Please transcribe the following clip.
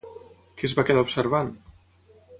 Què es va quedar observant?